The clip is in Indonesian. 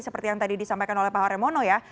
seperti yang tadi disampaikan oleh pak harremono ya